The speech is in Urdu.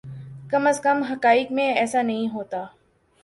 کم از کم حقائق میں ایسا نہیں ہوتا۔